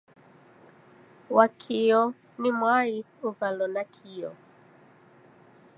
Wakio ni mwai uvalo nakio.